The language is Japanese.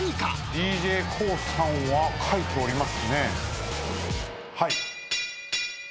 ＤＪＫＯＯさんは書いておりますね。